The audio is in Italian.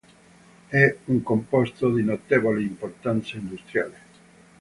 È un composto di notevole importanza industriale.